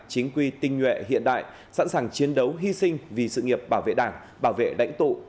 chính quy tinh nhuệ hiện đại sẵn sàng chiến đấu hy sinh vì sự nghiệp bảo vệ đảng bảo vệ lãnh tụ